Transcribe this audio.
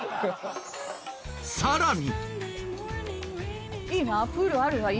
さらに！